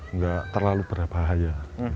nggak terlalu berbahaya